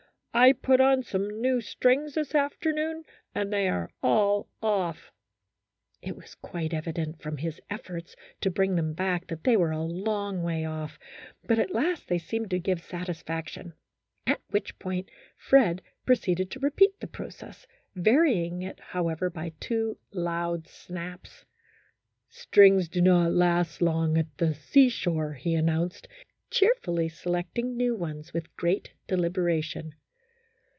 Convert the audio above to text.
" I put on some new strings this afternoon, and they are all off." It was quite evident from his efforts to bring them back that they were a long way off, but at last they seemed to give satisfaction, at which point Fred proceeded to repeat the process, varying it, however, by two loud snaps. " Strings do not last long at the seashore," he announced, cheerfully selecting new ones with great deliberation.